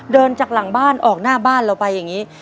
เดินจากหลังบ้านออกหน้าบ้านเราไปอย่างนี้